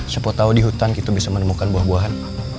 siapa tahu di hutan kita bisa menemukan buah buahan